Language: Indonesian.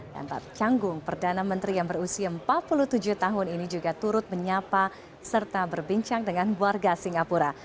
dan pak changgung perdana menteri yang berusia empat puluh tujuh tahun ini juga turut menyapa serta berbincang dengan warga singapura